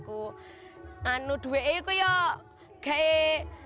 karena sekarang di dalam kekayaan saya